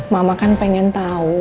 mama kan ingin tahu